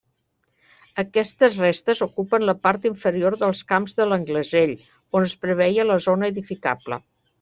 Aquestes restes ocupen la part inferior dels camps de l'Anglesell on es preveia la zona edificable.